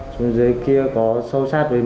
xuống dưới kia có sâu sát với mình